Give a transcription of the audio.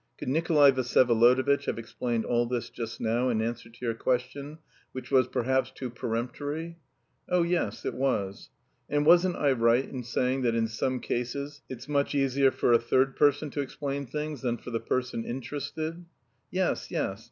"Could Nikolay Vsyevolodovitch have explained all this just now in answer to your question, which was perhaps too peremptory?" "Oh, yes, it was." "And wasn't I right in saying that in some cases it's much easier for a third person to explain things than for the person interested?" "Yes, yes...